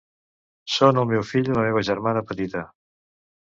Són el meu fill i la meva germana petita.